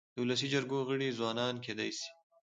د ولسي جرګو غړي ځوانان کيدای سي.